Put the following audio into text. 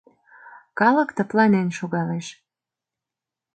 Калык тыпланен шогалеш.